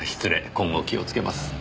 今後気をつけます。